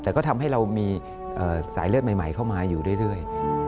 แต่ก็ทำให้เรามีสายเลือดใหม่เข้ามาอยู่เรื่อย